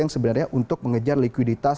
yang sebenarnya untuk mengejar likuiditas